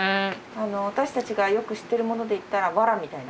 私たちがよく知ってるもので言ったらわらみたいな？